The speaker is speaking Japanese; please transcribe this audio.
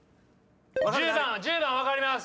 １０番分かります！